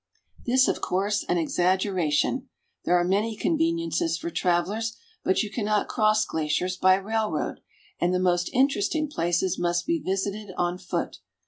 This is, of course, an exaggeration. There are many conveniences for travelers ; but you cannot cross glaciers by railroad, and the most interesting places must be visited on foot.